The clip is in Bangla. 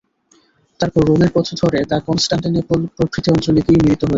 তারপর রোমের পথ ধরে তা কনস্টান্টিনিপল প্রভৃতি অঞ্চলে গিয়ে মিলিত হয়েছে।